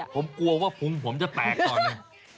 ผมกลัวว่าภูมิผมจะแตกตอนนี้